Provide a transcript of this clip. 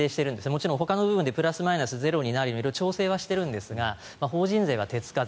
もちろんほかの部分でプラスマイナスゼロになるように色々調整はしているんですが法人税は手つかず。